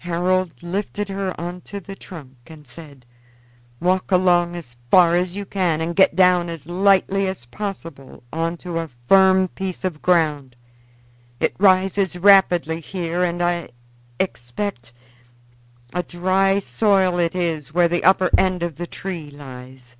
Harold lifted her on to the trunk and said: "Walk along as far as you can and get down as lightly as possible on to a firm piece of ground. It rises rapidly here and is, I expect, a dry soil where the upper end of the tree lies."